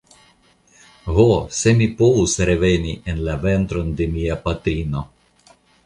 Ho, se mi povus reveni en la ventron de mia patrino!